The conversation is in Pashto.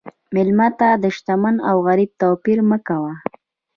مېلمه ته د شتمن او غریب توپیر مه کوه.